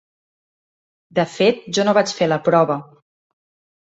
De fet, jo no vaig fer la prova.